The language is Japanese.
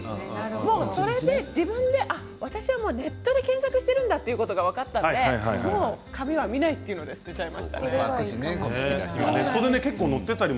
もう、それで自分で私はネットで検索をしているんだっていうことが分かったので紙は見ないっていうので捨てちゃいました。